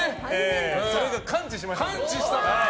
それが完治しましたので。